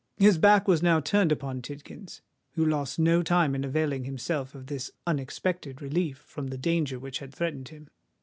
His back was now turned upon Tidkins, who lost no time in availing himself of this unexpected relief from the danger which had threatened him.